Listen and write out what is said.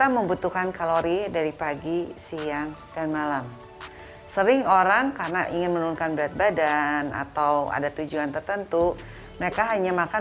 menurut sindiawati terdapat informasi yang salah kaprah di tengah masyarakat